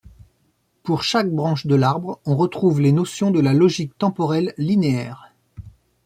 Pour chaque branche de l'arbre, on retrouve les notions de la logique temporelle linéaire.